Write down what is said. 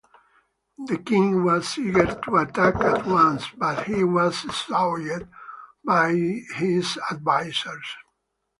The king was eager to attack at once, but was swayed by his advisers.